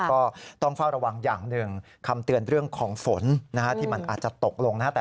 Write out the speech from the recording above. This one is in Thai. ก็ต้องเฝ้าระวังอย่างหนึ่งคำเตือนเรื่องของฝนนะฮะที่มันอาจจะตกลงนะฮะ